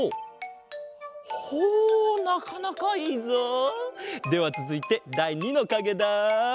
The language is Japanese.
ほうほなかなかいいぞ！ではつづいてだい２のかげだ。